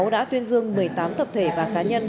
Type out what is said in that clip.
đã tuyên dương một mươi tám tập thể và cá nhân